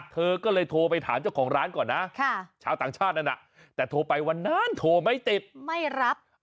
เธอก็เลยโทรไปถามเจ้าของร้านก่อนนะชาวต่างชาตินั้นแต่โทรไปวันนั้นโทรไม่ติดไม่รับ